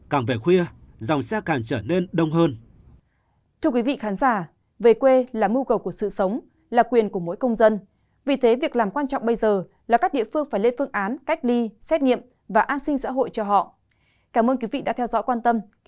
càng về khuya dòng xe càng trở nên đông hơn